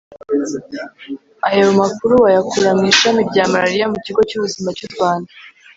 Ayo makuru wayakura mu ishami rya malaria mu kigo cy'ubuzima cy'u Rwanda